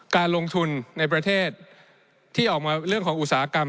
การลงทุนในประเทศที่ออกมาเรื่องของอุตสาหกรรม